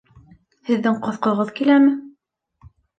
Һеҙҙең ҡоҫҡоғоҙ киләме?